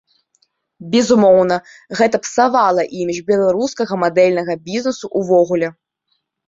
Безумоўна, гэта псавала імідж беларускага мадэльнага бізнесу ўвогуле.